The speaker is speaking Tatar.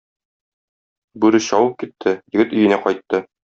Бүре чабып китте, егет өенә кайтты.